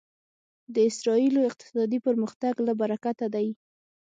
د اسرایلو اقتصادي پرمختګ له برکته دی.